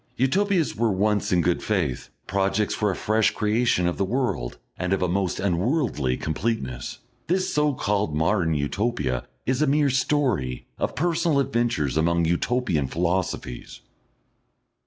Utopias were once in good faith, projects for a fresh creation of the world and of a most unworldly completeness; this so called Modern Utopia is a mere story of personal adventures among Utopian philosophies.